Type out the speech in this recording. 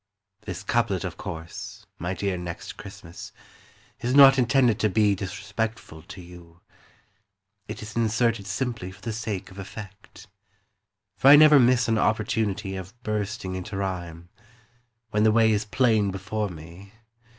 This couplet, of course. My dear Next Christmas, Is not intended to be Disrespectful to you; It is inserted simply For the sake of effect. For I never miss an opportunity Of bursting into rhyme. When the way is plain before me.